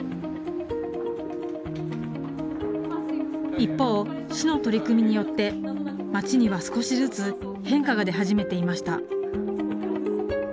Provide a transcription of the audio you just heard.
一方市の取り組みによって、町には少しずつ変化が出始めていました。